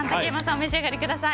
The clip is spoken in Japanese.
お召し上がりください。